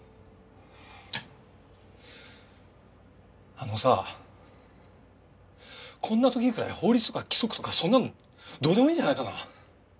あのさこんな時くらい法律とか規則とかそんなのどうでもいいんじゃないかな。